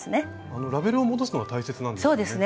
ラベルを戻すのが大切なんですね。